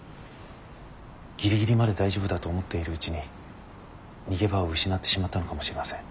ギリギリまで大丈夫だと思っているうちに逃げ場を失ってしまったのかもしれません。